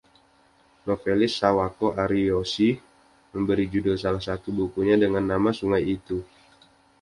Novelis Sawako Ariyoshi memberi judul salah satu bukunya dengan nama sungai itu.